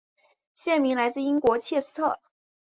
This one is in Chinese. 县名来自英国切斯特。